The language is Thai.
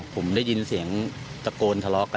ผมได้ยินเสียงตะโกนทะเลาะกัน